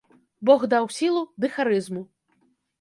Бог даў сілу ды харызму.